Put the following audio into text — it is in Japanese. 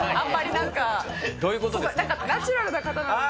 なんかナチュラルな方なので。